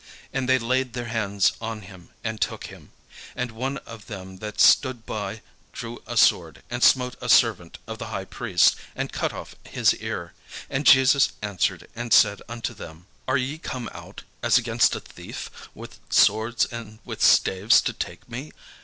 And they laid their hands on him, and took him. And one of them that stood by drew a sword, and smote a servant of the high priest, and cut off his ear. And Jesus answered and said unto them: "Are ye come out, as against a thief, with swords and with staves to take me?